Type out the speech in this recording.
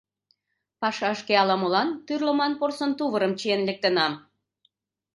Пашашке ала-молан тӱрлыман порсын тувырым чиен лектынам.